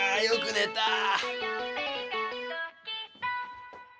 よく寝た！